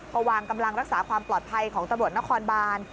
ก็วางกำลังรักษาความปลอดภัยของตำรวจนครบาน